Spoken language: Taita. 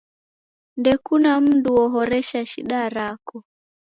Ndekuna mundu oghorea shida rako?